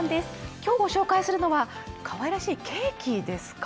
今日ご紹介するのはかわいらしいケーキですか？